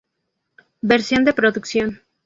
Versión de producción.